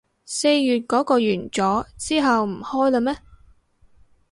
四月嗰個完咗，之後唔開喇咩